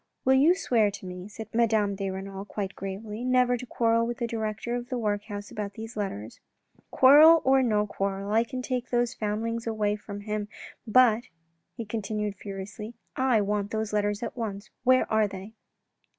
"Will you swear to me," said Madame de Renal quite gravely, " never to quarrel with the director of the workhouse about these letters ?"" Quarrel or no quarrel, I can take those foundlings away from him, but," he continued furiously, " I want those letters at once. Where are they